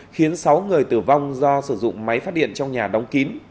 khiến sáu người tử vong do sử dụng máy phát điện trong nhà đóng kín